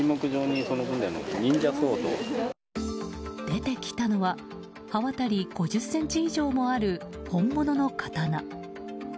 出てきたのは刃渡り５０ｃｍ以上もある本物の刀。